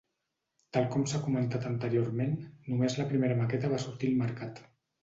Tal com s'ha comentat anteriorment, només la primera maqueta va sortir al mercat.